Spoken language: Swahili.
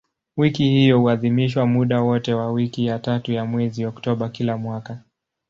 Wiki hiyo huadhimishwa muda wote wa wiki ya tatu ya mwezi Oktoba kila mwaka.